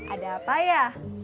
ada apa ya